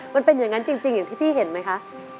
มันเป็นอย่างนั้นจริงอย่างที่พี่เห็นไหมคะ